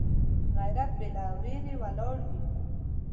غیرت بې له ویرې ولاړ وي